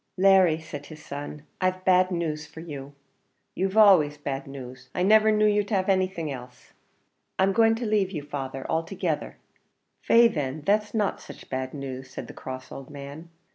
"Larry," said his son, "I've bad news for you." "You've always bad news. I niver knew you have anything else." "I'm going to lave you, father, altogether." "Faix, then, that's no such bad news," said the cross old man.